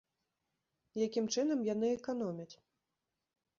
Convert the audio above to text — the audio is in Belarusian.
Якім чынам яны эканомяць?